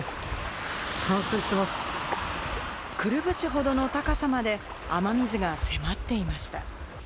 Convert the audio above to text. くるぶしほどの高さまで雨水が迫っていました。